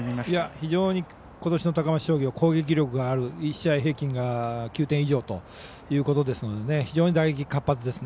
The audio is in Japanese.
非常にことしの高松商業攻撃力がある１試合平均が９点以上ということですので非常に打撃が活発ですね。